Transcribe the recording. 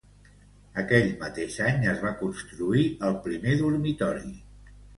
Aquell mateix any es va construir el primer dormitori.